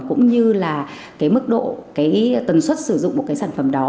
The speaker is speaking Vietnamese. cũng như là cái mức độ cái tần suất sử dụng một cái sản phẩm đó